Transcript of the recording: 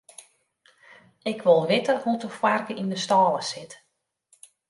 Ik wol witte hoe't de foarke yn 'e stâle sit.